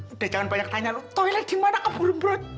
udah jangan banyak tanya lo toilet dimana kabur kabur aja